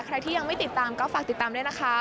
ใครที่ยังไม่ติดตามก็ฝากติดตามด้วยนะคะ